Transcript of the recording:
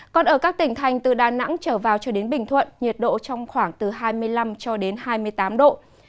còn ở các tỉnh thành từ đà nẵng trở vào cho đến bình thuận nhiệt độ trong khoảng từ hai mươi năm cho đến hai mươi tám độ